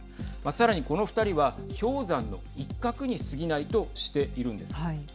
さらに、この２人は氷山の一角にすぎないとしているんです。